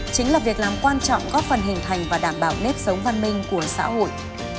chính là việc làm quan trọng góp phần hình thành và đảm bảo nếp sống văn minh của xã hội